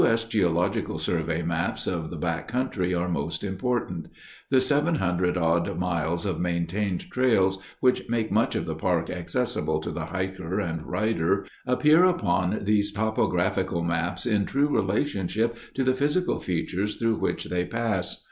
S. Geological Survey maps of the back country are most important. The 700 odd miles of maintained trails which make much of the park accessible to the hiker and rider appear upon these topographical maps in true relationship to the physical features through which they pass.